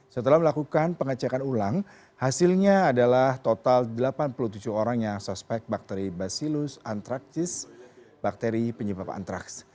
setelah melakukan pengecekan ulang hasilnya adalah total delapan puluh tujuh orang yang suspek bakteri basilus antraks bakteri penyebab antraks